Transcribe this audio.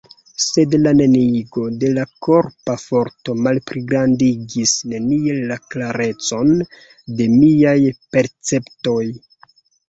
Sed la neniigo de la korpa forto malpligrandigis neniel la klarecon de miaj perceptoj.